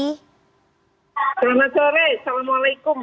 selamat sore assalamualaikum